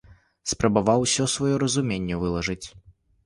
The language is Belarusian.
Спрабаваў усё сваё разуменне вылажыць.